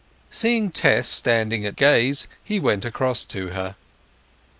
Seeing Tess standing at gaze he went across to her.